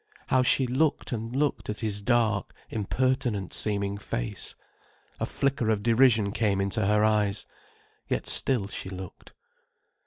How she looked and looked at his dark, impertinent seeming face. A flicker of derision came into her eyes. Yet still she looked.